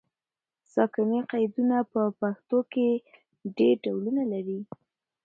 ساکني قیدونه په پښتو کې ډېر ډولونه لري.